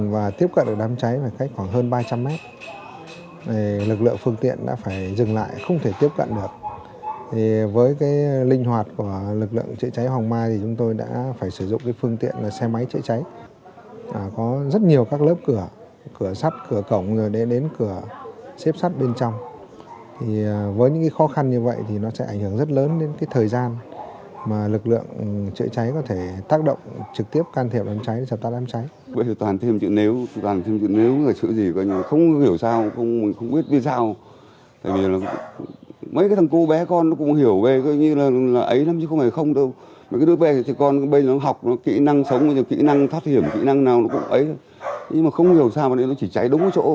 với những khó khăn như vậy nó sẽ ảnh hưởng rất lớn đến thời gian mà lực lượng chữa cháy có thể tác động trực tiếp can thiệp làm cháy chập tác làm cháy